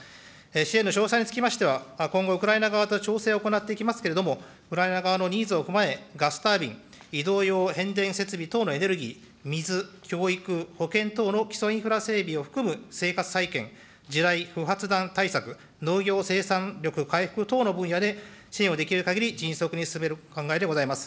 支援の詳細につきましては、今後、ウクライナ側と調整を行っていきますけれども、ウクライナ側のニーズを踏まえ、ガスタービン、移動用変電設備等のエネルギー、見ず、教育、保険等の基礎インフラ整備を含む生活再建、地雷、不発弾対策、農業生産力回復等の分野で、支援をできるかぎり迅速に進める考えでございます。